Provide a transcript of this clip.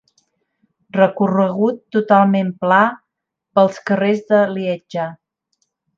Recorregut totalment pla pels carrers de Lieja.